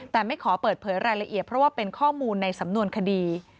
แต่ไม่ขอเปิดเผยรายละเอียดเพราะว่าเป็นข้อมูลในสำนวนคดี